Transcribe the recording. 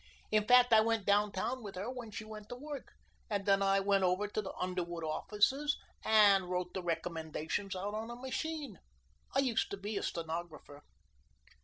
In fact, I went down town with her when she went to work and then I went over to the Underwood offices and wrote the recommendations out on a machine I used to be a stenographer."